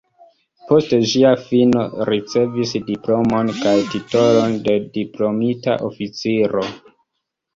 Post ĝia fino ricevis diplomon kaj titolon de diplomita oficiro.